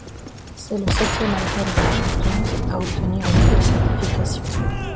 C'est le septième album de la chanteuse à obtenir une telle certification.